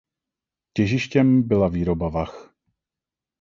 Těžištěm byla výroba vah.